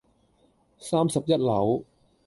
三十一樓